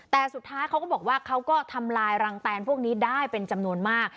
แต่สุดท้ายเขาก็บอกว่าเขาก็ทำลายรังแตนพวกนี้ได้เป็นจำนวนมาก